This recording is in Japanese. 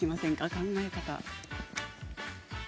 考え方が。